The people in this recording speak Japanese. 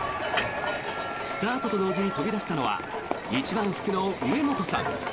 スタートと同時に飛び出したのは一番福の植本さん。